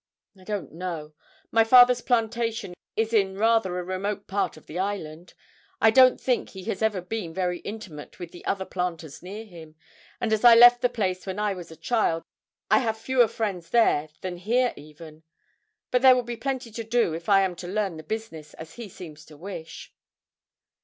'I don't know. My father's plantation is in rather a remote part of the island. I don't think he has ever been very intimate with the other planters near him, and as I left the place when I was a child I have fewer friends there than here even. But there will be plenty to do if I am to learn the business, as he seems to wish.'